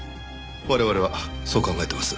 我々はそう考えてます。